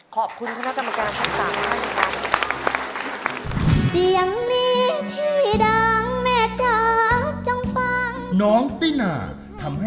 ขอบคุณคุณธรรมการท่านต่างนะครับ